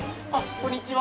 こんにちは。